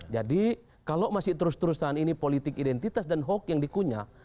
jadi kalau masih terus terusan ini politik identitas dan huk yang dikunyah